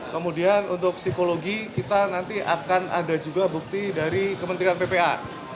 kemudian untuk psikologi kita nanti akan ada juga bukti dari kementerian ppa